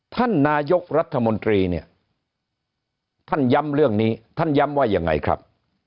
ท่านนายกรัฐมนตรีเนี่ยท่านย้ำเรื่องนี้ท่านย้ำว่ายังไงครับ